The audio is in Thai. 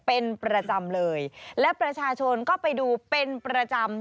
เป็นประจำเลยและประชาชนก็ไปดูเป็นประจำ